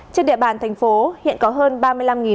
trên địa bàn thành phố hiện có hơn ba mươi năm người